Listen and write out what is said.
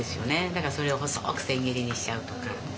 だからそれを細く千切りにしちゃうとか。